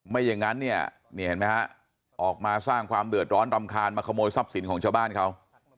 ไม่อย่างนั้นเนี่ยนี่เห็นไหมฮะออกมาสร้างความเดือดร้อนรำคาญมาขโมยทรัพย์สินของชาวบ้านเขา